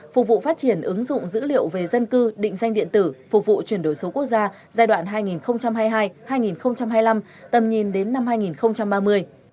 phục vụ phát triển ứng dụng dữ liệu về dân cư định danh điện tử phục vụ chuyển đổi số quốc gia giai đoạn hai nghìn hai mươi hai hai nghìn hai mươi năm tầm nhìn đến năm hai nghìn ba mươi